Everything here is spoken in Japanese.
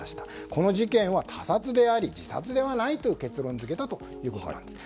この事件は他殺であり自殺ではないと結論付けたということです。